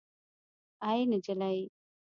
اي نجلۍ